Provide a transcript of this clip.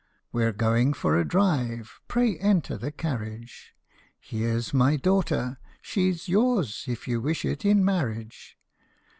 We 're going for a drive pray enter the carriage. Here 's my daughter she 's yours, if you wish it, in marriage.